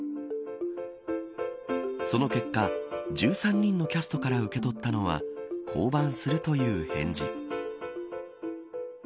その結果、１３人のキャストから受け取ったのは降板するという返事。